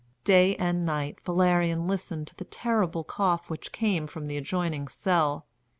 Day and night Valerian listened to the terrible cough which came from the adjoining cell.